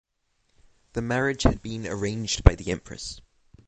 The marriage had been arranged by the Empress.